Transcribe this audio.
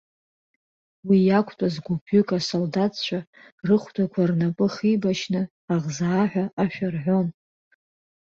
Уи иақәтәаз гәыԥҩык асолдаҭцәа, рыхәдақәа рнапы хибашьны, аӷзааҳәа ашәа рҳәон.